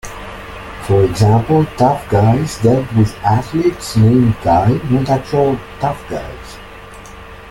For example, "Tough Guys" dealt with athletes named Guy, not actual tough guys.